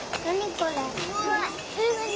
これ。